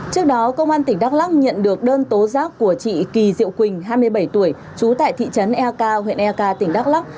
trước đó công an tỉnh đắk lắc nhận được đơn tố giác của chị kỳ diệu quỳnh hai mươi bảy tuổi trú tại thị trấn eak huyện eka tỉnh đắk lắc